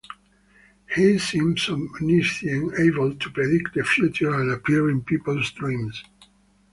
He seems omniscient, able to predict the future and appear in people's dreams.